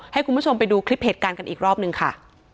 ให้คุณผู้ชมไปดูคลิปเหตุการณ์กันอีกรอบนึงค่ะ